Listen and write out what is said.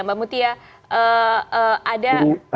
mbak mutia ada